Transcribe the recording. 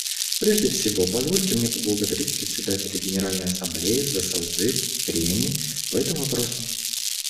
Прежде всего, позвольте мне поблагодарить Председателя Генеральной Ассамблеи за созыв прений по этому вопросу.